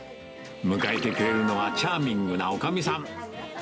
迎えてくれるのはチャーミングなおかみさん。